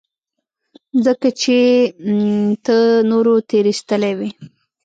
ځکه چې ته نورو تېرايستلى وې.